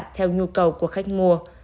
theo nhu cầu của khách mua